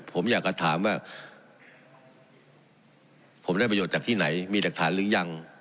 ผมอยากจะถามว่าผมได้ประโยชน์จากที่ไหนมีหลักฐานหรือยัง